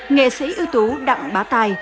nghệ sĩ ưu tú đặng bá tài